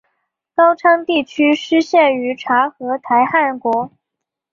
高昌地区失陷于察合台汗国。